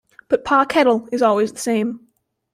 But Pa Kettle is always the same.